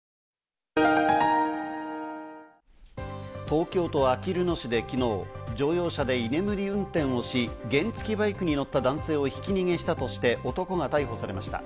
東京都あきる野市で昨日、乗用車で居眠り運転をし、原付バイクに乗った男性をひき逃げしたとして男が逮捕されました。